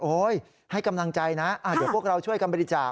ให้กำลังใจนะเดี๋ยวพวกเราช่วยกันบริจาค